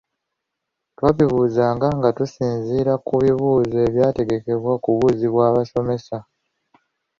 Twabibuuzanga nga tusinziira ku bibuuzo ebyategekebwa okubuuzibwa abasomesa.